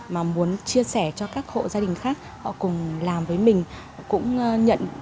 mà muốn chia sẻ cho các hộ gia đình khác họ cùng làm với mình